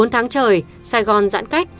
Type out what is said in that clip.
bốn tháng trời sài gòn giãn cách